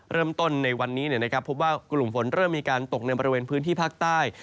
เริ่มต้นในวันนี้พบว่ากลุ่มฝนเริ่มมีการตกในบริเวณพื้นที่ภาคใต้